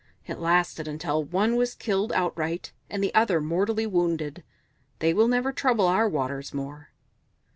It lasted until one was killed outright and the other mortally wounded. They will never trouble our waters more."